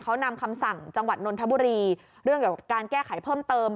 เขานำคำสั่งจังหวัดนนทบุรีเรื่องเกี่ยวกับการแก้ไขเพิ่มเติม